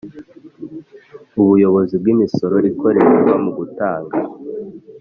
Ubuyobozi bw Imisoro ikoreshwa mu gutanga